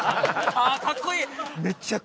ああかっこいい！